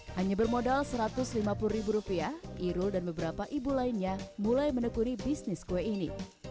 hanya bermodal satu ratus lima puluh ribu rupiah irul dan beberapa ibu lainnya mulai menekuni bisnis kue ini